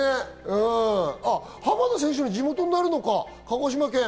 浜田選手の地元になるのか、鹿児島県。